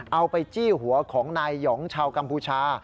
ไปจี้หัวของนายหองชาวกัมพูชา